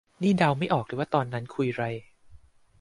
นี่เดาไม่ออกเลยว่าตอนนั้นคุยไร